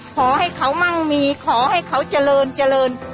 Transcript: ขอให้เขามั่งมีขอให้เขาเจริญเจริญ